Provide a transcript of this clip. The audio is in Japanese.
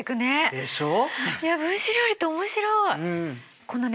でしょう？